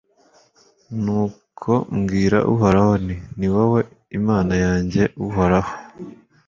nuko mbwira uhoraho, nti ni wowe imana yanjye! uhoraho